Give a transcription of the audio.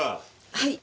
はい。